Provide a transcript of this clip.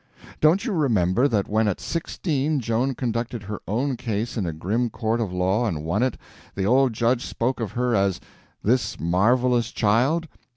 Don't you remember that when at sixteen Joan conducted her own case in a grim court of law and won it, the old judge spoke of her as "this marvelous child"?